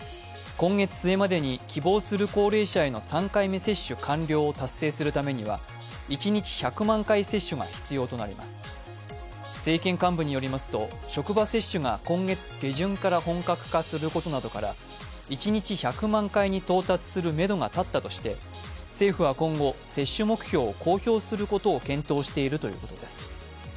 今月末までに希望する高齢者への３回目接種完了を達成するためには一日１００万回接種が必要となります政権幹部によりますと、職場接種が今月下旬から本格化することなどから一日１００万回に到達するめどが立ったとして政府は今後、接種目標を公表することを検討しているということです。